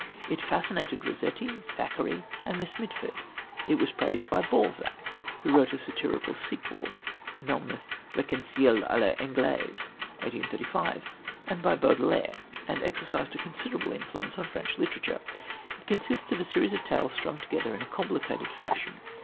It fascinated Rossetti, Thackeray and Miss Mitford. It was praised by Balzac, who wrote a satirical sequel Melmoth Reconcilié à L'Eglise (1835), and by Baudelaire, and exercised a considerable influence on French literature. It consists of a series of tales, strung together in a complicated fashion.